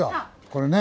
これね。